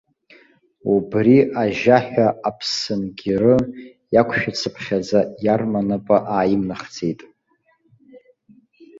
Убри ажьаҳәа аԥсынгьыры иақәшәацыԥхьаӡа, иарма напы ааимнахӡеит.